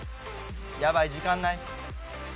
やばい時間ない。